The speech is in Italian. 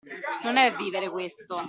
Non è vivere, questo!